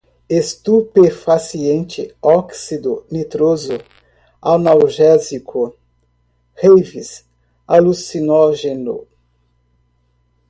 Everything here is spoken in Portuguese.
estupefaciente, óxido nitroso, analgésico, raves, alucinógeno